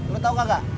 lo tau gak gak